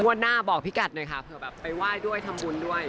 เวอร์นหน้าบอกพี่กัฎน่ะครับเผื่อแบบไปว่ายด้วยทำบุญด้วย